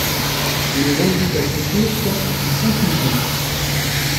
Le vendit à son tour quatre ou cinq millions.